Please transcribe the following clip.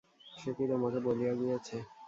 সে কি তোমাকে বলিয়া গিয়াছে।